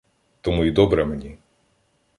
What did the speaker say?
Тому й добре мені